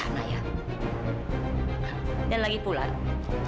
iya sama kamu berdua kamu sama kamu itu sama